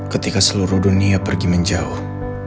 ketika seluruh dunia pergi menjauh